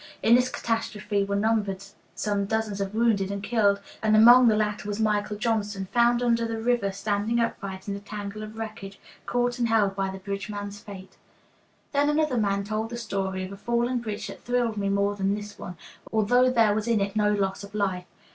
In this catastrophe were numbered some dozens of wounded and killed, and among the latter was Michael Johnson, found under the river standing upright in a tangle of wreckage, caught and held by the bridge man's fate." Then another man told the story of a falling bridge that thrilled me more than this one, although there was in it no loss of life.